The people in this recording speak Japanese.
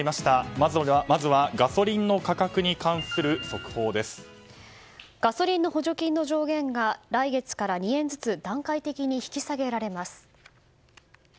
まずはガソリンの価格に関するガソリンの補助金の上限が来月から２円ずつ段階的に引き下げられます。